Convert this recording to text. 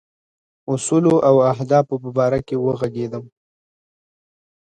اصولو او اهدافو په باره کې وږغېږم.